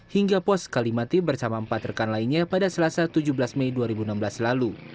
hingga pos kalimati bersama empat rekan lainnya pada selasa tujuh belas mei dua ribu enam belas lalu